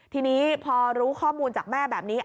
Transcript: ทีนี้พอรู้ข้อมูลจากแม่แบบนี้